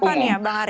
harapannya bang aris